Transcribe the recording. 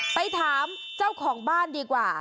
ไปถามเจ้าของบ้านดีกว่า